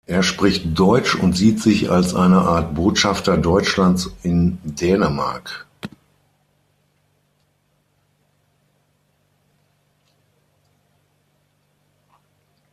Er spricht Deutsch und sieht sich als eine Art "Botschafter Deutschlands" in Dänemark.